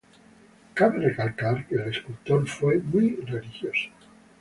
Cabe recalcar que el escultor fue muy religioso.